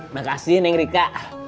makasih neng rika